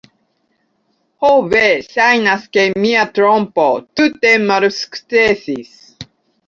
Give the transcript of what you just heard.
Ho ve, ŝajnas ke mia trompo tute malsukcesis.